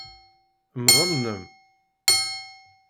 Mdel-nnem!